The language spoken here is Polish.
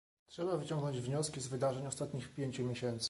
trzeba wyciągnąć wnioski z wydarzeń ostatnich pięciu miesięcy